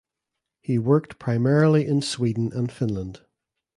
He worked primarily in Sweden and Finland.